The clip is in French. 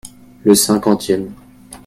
Le cinquantième.